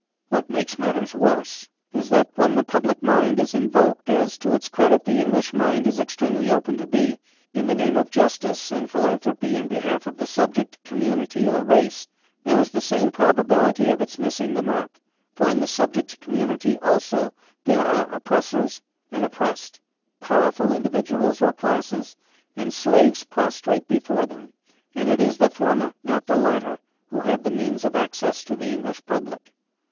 What makes matters worse is that, when the public mind is invoked (as, to its credit, the English mind is extremely open to be) in the name of justice and philanthropy in behalf of the subject community or race, there is the same probability of its missing the mark; for in the subject community also there are oppressors and oppressed powerful individuals or classes, and slaves prostrate before them; and it is the former, not the latter, who have the means of access to the English public.